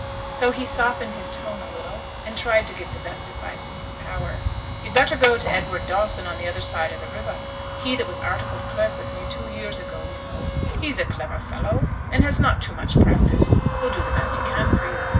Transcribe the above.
So he softened his tone a little, and tried to give the best advice in his power. 'You'd better go to Edward Dawson on the other side of the river; he that was articled clerk with me two years ago, you know. He's a clever fellow, and has not too much practice; he'll do the best he can for you.